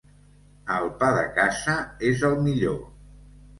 El pa de casa és el millor.